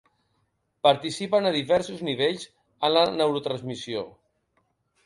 Participen a diversos nivells en la neurotransmissió.